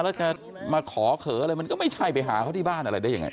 แล้วจะมาขอเขออะไรมันก็ไม่ใช่ไปหาเขาที่บ้านอะไรได้ยังไง